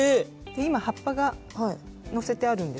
今葉っぱがのせてあるんですけれども。